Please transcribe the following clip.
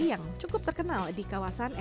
seatnya sudah cukup evangelical di sini